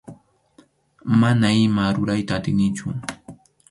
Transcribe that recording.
Mana ima rurayta atinichu.